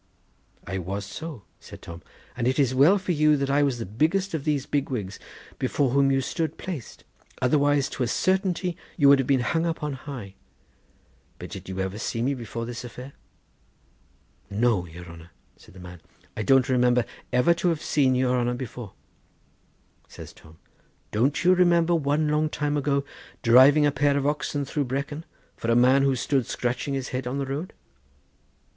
'I was so,' said Tom; 'and it is well for you that I was the biggest of those big wigs before whom you stood placed, otherwise to a certainty you would have been hung up on high; but did you ever see me before this affair?' 'No, your honour,' said the man, 'I don't remember ever to have seen your honour before.' Says Tom, 'Don't you remember one long time ago driving a pair of oxen through Brecon for a man who stood scratching his head on the road?